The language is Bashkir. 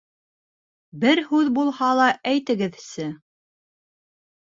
Бер һүҙ булһа ла әйтегеҙсе!